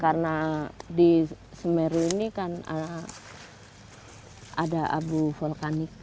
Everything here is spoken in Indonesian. karena di semeru ini kan ada abu vulkanik